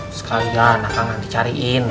terus kalian akan nanti cariin